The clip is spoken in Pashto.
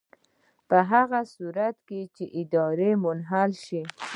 په هغه صورت کې چې اداره منحله شي.